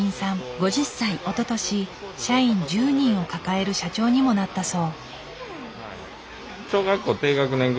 おととし社員１０人を抱える社長にもなったそう。